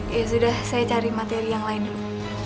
ya sudah saya cari materi yang lain dulu